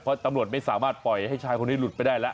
เพราะตำรวจไม่สามารถปล่อยให้ชายคนนี้หลุดไปได้แล้ว